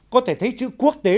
có thể thấy chữ quốc tế